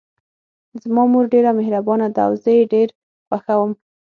زما مور ډیره مهربانه ده او زه یې ډېر خوښوم